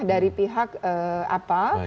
dari pihak apa